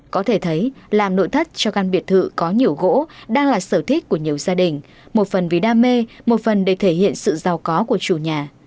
có thể thấy làm nội thất cho căn biệt thự có nhiều gỗ đang là sở thích của nhiều gia đình một phần vì đam mê một phần để thể hiện sự giàu có của chủ nhà